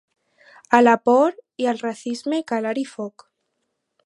A la por i al racisme, calar-hi foc.